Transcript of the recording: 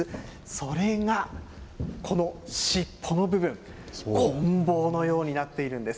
それがこの尻尾の部分、こん棒のようになっているんです。